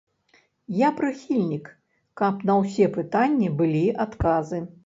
Я прыхільнік, каб на ўсе пытанні былі адказы.